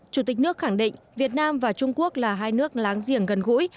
chủ tịch nước khẳng định việt nam và trung quốc là hai nước láng giềng gần gũi